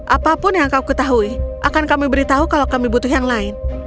apapun yang kau ketahui akan kami beritahu kalau kami butuh yang lain